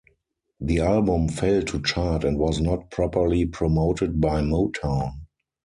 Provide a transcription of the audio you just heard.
The album failed to chart and was not properly promoted by Motown.